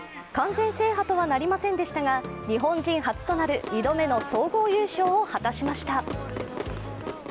完全制覇とはなりませんでしたが日本人初となる２度目の総合優勝を果たしました。